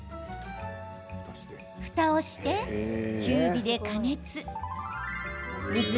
ふたをして、中火で加熱。